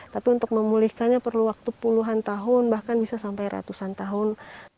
tapi untuk memulihkannya perlu waktu puluhan tahun bahkan bisa sampai ratusan tahun